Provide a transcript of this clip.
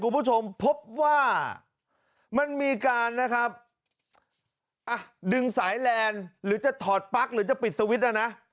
คุณผู้ชมพบว่ามันมีการนะครับอ่ะดึงสายแลนด์หรือจะถอดปลั๊กหรือจะปิดสวิตช์อ่ะนะ